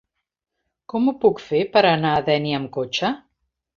Com ho puc fer per anar a Dénia amb cotxe?